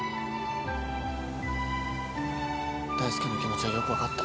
大介の気持ちはよく分かった。